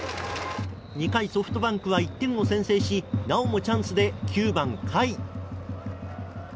２回、ソフトバンクは１点を先制しなおもチャンスで９番、甲斐。